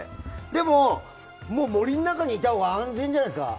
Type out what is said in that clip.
でも、もう森の中にいたほうが安全じゃないですか？